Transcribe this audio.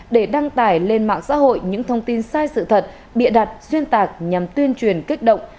để đăng tải lên mạng xã hội những thông tin sai sự thật bịa đặt xuyên tạc nhằm tuyên truyền kích động